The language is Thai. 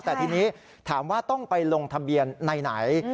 แต่ทีนี้ถามว่าต้องไปลงทะเบียนในไหน